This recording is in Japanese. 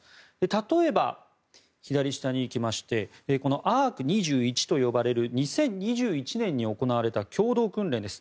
例えば、左下に行きましてこのＡＲＣ２１と呼ばれる２０２１年に行われた共同訓練です。